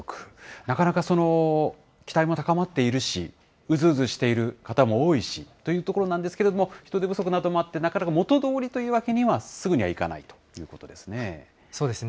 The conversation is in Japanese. なかなかその期待も高まっているし、うずうずしている方も多いしというところなんですけれども、人手不足などもあって、なかなか元どおりというわけにはすぐにはいかないということですよね。